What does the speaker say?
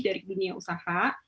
dari dunia usaha